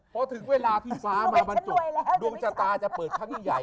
เพราะถึงเวลาที่ฟ้ามาบรรจบดูจตาจะเปิดขั้นใหญ่ใหญ่